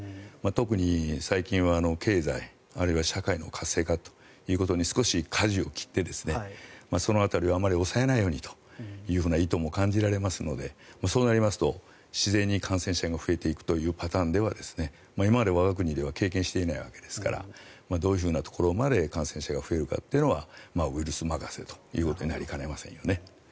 特に最近は経済あるいは社会の活性化ということに少しかじを切ってそのあたりはあまり抑えないようにという意図も感じますのでそうなりますと自然に感染者が増えていくというパターンでは今まで我が国では経験していないわけですからどういうふうなところまで感染者が増えるかというのはウイルス任せということになりかねませんよね。